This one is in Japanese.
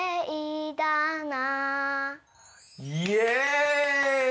イエイ！